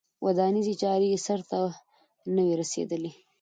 ودانیزې چارې یې سرته نه وې رسېدلې.